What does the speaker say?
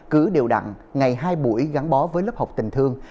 cứ đều đặn ngày hai buổi gắn bó với lớp học tình thương